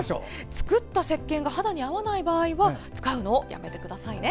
作ったせっけんが肌に合わない場合は使うのをやめてくださいね。